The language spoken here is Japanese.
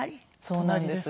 そうなんです。